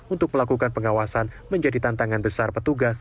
untuk melakukan pengawasan menjadi tantangan besar petugas